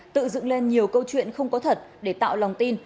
tự dựng lên nhiều câu chuyện không có thật để tạo lòng tin